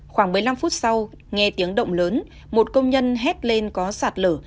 khoảng một mươi năm phút sau nghe tiếng động lớn một công nhân hét lên có sạt lở